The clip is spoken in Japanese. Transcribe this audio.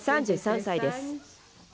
３３歳です。